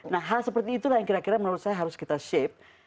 nah hal seperti itulah yang kira kira menurut saya harus kita shape